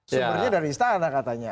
sumbernya dari istana katanya